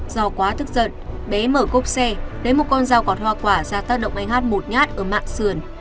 do quá thức giận bé mở cốc xe đếm một con dao gọt hoa quả ra tác động anh hát một nhát ở mạng sườn